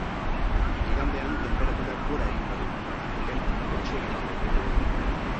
Igandean, tenperaturak gora egingo du eta epel puntu atsegina lortuko dugu.